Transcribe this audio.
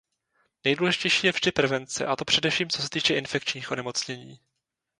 Nejdůležitější je vždy prevence a to především co se týče infekčních onemocnění.